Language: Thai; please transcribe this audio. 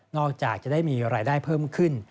จากจะได้มีรายได้เพิ่มขึ้น